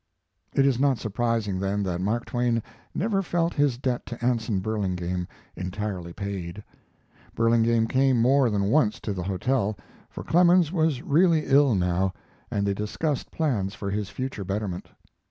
It is not surprising then that Mark Twain never felt his debt to Anson Burlingame entirely paid. Burlingame came more than once to the hotel, for Clemens was really ill now, and they discussed plans for his future betterment.